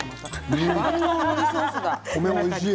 米おいしい。